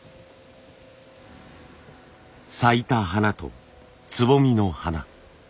咲いた花とつぼみの花。